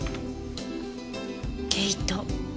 毛糸。